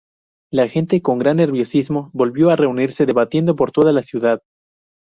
La gente, con gran nerviosismo, volvió a reunirse debatiendo por toda la ciudad.